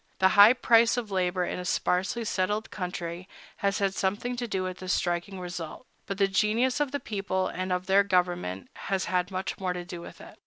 The high price of labor in a sparsely settled country has had something to do with this striking result; but the genius of the people and of their government has had much more to do with it.